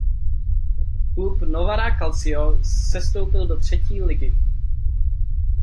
Klub Novara Calcio sestoupil do třetí ligy.